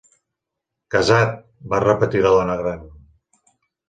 "Casat", va repetir la dona gran.